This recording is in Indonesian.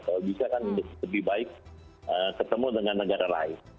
kalau bisa kan lebih baik ketemu dengan negara lain